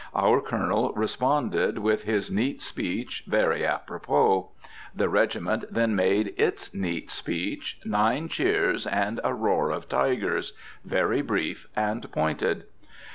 Our Colonel responded with his neat speech, very apropos. The regiment then made its neat speech, nine cheers and a roar of tigers, very brief and pointed.